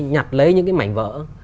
nhặt lấy những cái mảnh vỡ